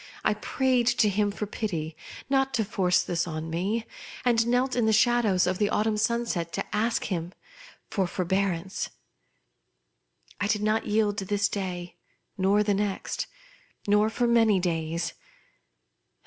I prayed to him for pity, not to force this on me, and knelt in the shadows of the autumn sunset to ask from him forbearance. I did not yield this day, nor the next, nor for many days.